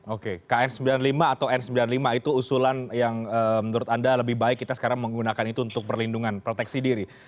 oke kn sembilan puluh lima atau n sembilan puluh lima itu usulan yang menurut anda lebih baik kita sekarang menggunakan itu untuk perlindungan proteksi diri